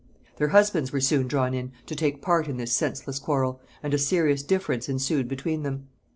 Their husbands soon were drawn in to take part in this senseless quarrel, and a serious difference ensued between them.